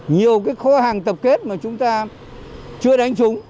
nhiều cái kho hàng tập kết mà chúng ta chưa đánh trúng